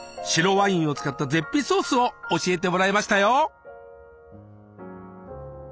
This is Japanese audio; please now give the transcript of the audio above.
白ワインを使った絶品ソースを教えてもらいましたよ。